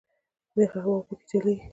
یخه هوا په کې چلیږي.